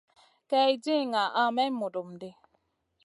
Kay di ŋaha may mudum ɗi.